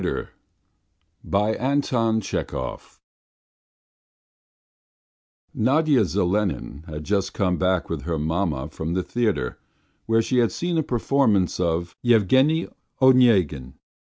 AFTER THE THEATRE NADYA ZELENIN had just come back with her mamma from the theatre where she had seen a performance of "Yevgeny Onyegin."